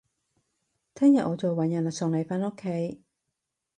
聽日我再搵人送你返屋企